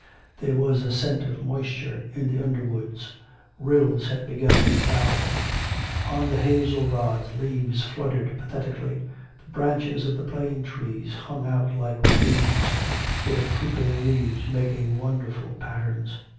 There was a scent of moisture in the underwoods, rills had begun to babble; on the hazel rods leaves fluttered pathetically, the branches of the plane trees hung out like plumes, their drooping leaves making wonderful patterns.